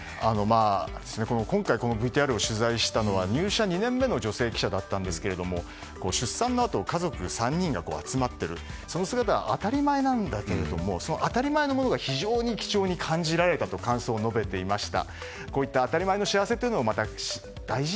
今回このＶＴＲを取材したのは入社２年目の女性記者だったんですけれども出産のあと家族３人が集まっているその姿は当たり前なんだけれどもその当たり前のものが非常に貴重に感じられたと感想を述べていました。